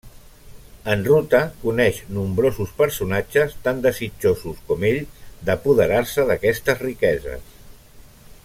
En ruta, coneix nombrosos personatges tan desitjosos com ell d'apoderar-se d'aquestes riqueses.